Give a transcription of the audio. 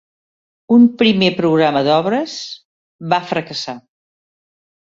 Un primer programa d'obres va fracassar.